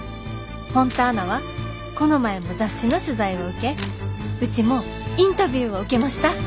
フォンターナはこの前も雑誌の取材を受けうちもインタビューを受けました！」。